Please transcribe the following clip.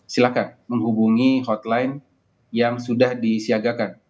silahkan menghubungi hotline yang sudah disiagakan